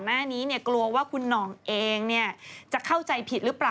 หน้านี้กลัวว่าคุณหน่องเองจะเข้าใจผิดหรือเปล่า